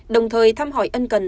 đồng thời thăm hỏi ân cần